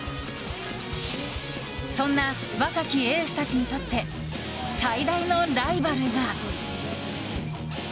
そんな若きエースたちにとって最大のライバルが。